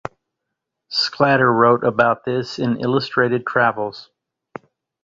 Sclater wrote about this in "Illustrated travels".